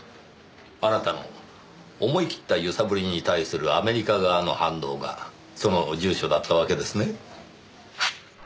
あなたの思い切った揺さぶりに対するアメリカ側の反応がその住所だったわけですね。